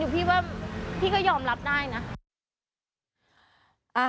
พี่ก็ยอมรับได้นะ